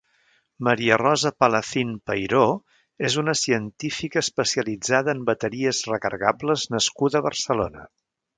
Maria Rosa Palacín Peiró és una científica especialitzada en bateries recargables nascuda a Barcelona.